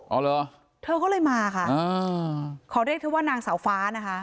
เหรอเธอก็เลยมาค่ะอ่าขอเรียกเธอว่านางสาวฟ้านะคะ